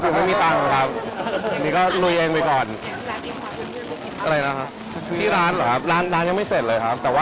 บริษัทพิมพ์เปิดครับยังไม่มีเงินครับ